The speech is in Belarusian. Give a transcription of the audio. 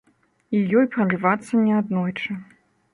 І ёй пралівацца неаднойчы.